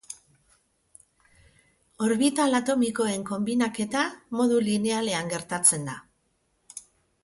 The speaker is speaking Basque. Orbital atomikoen konbinaketa modu linealean gertatzen da.